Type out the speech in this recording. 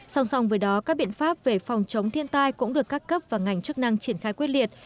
song song với đó các biện pháp về phòng chống thiên tai cũng được các cấp và ngành chức năng triển khai quyết liệt